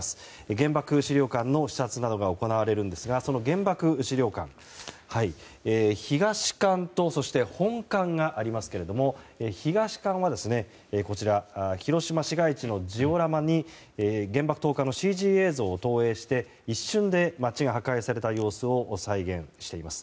原爆資料館の視察などが行われるんですがその原爆資料館東館と本館がありますけども東館は、広島市街地のジオラマに原爆投下のＣＧ映像を投影して一瞬で街が破壊された様子を再現しています。